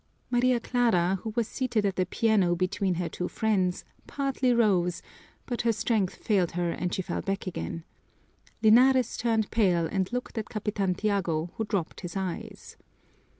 Maria Clara, who was seated at the piano between her two friends, partly rose, but her strength failed her, and she fell back again. Linares turned pale and looked at Capitan Tiago, who dropped his eyes.